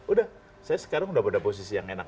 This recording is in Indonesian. udah saya sekarang udah pada posisi yang enak